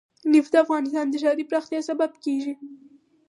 نفت د افغانستان د ښاري پراختیا سبب کېږي.